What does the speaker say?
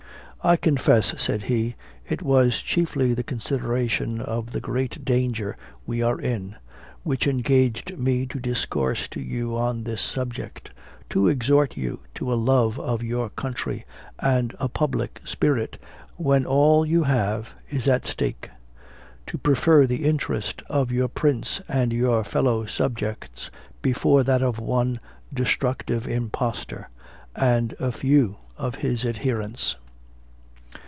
"I confess," said he, "it was chiefly the consideration of the great danger we are in, which engaged me to discourse to you on this subject, to exhort you to a love of your country, and a public spirit, when all you have is at stake; to prefer the interest of your prince and your fellow subjects before that of one destructive impostor, and a few of his adherents."